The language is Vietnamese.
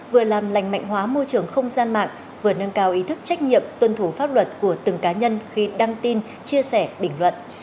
vừa làm lành mạnh hóa môi trường không gian mạng vừa nâng cao ý thức trách nhiệm tuân thủ pháp luật của từng cá nhân khi đăng tin chia sẻ bình luận